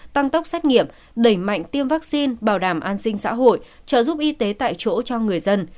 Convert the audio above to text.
tăng tốc xét nghiệm đẩy mạnh tiêm vaccine bảo đảm an sinh xã hội trợ giúp y tế tại chỗ cho người dân